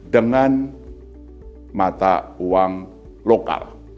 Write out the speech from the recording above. dengan mata uang lokal